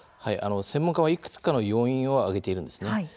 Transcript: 専門家は、いくつかの要因を挙げているんですね。